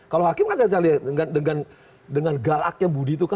kalau hakim kan dengan galaknya budi itu kan